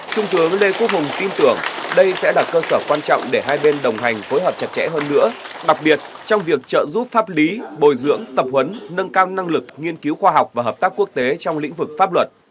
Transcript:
trung tướng lê quốc hùng tin tưởng đây sẽ là cơ sở quan trọng để hai bên đồng hành phối hợp chặt chẽ hơn nữa đặc biệt trong việc trợ giúp pháp lý bồi dưỡng tập huấn nâng cao năng lực nghiên cứu khoa học và hợp tác quốc tế trong lĩnh vực pháp luật